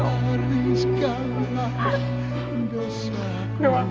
ignorasi terhadap pak sugeng